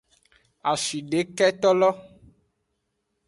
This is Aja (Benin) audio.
Ashideketolo.